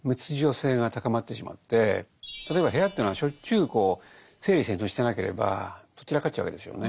性が高まってしまって例えば部屋というのはしょっちゅう整理整頓してなければとっ散らかっちゃうわけですよね。